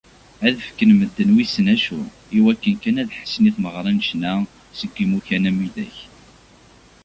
Ad fken medden wissen acu iwakken kan ad d-ḥessen i tmeɣra n ccna seg imukan am widak.